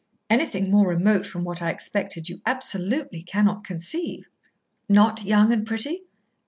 Anything more remote from what I expected you absolutely cannot conceive." "Not young and pretty?"